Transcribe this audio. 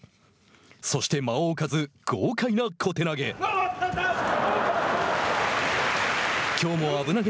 そして間を置かず豪快な小手投げ。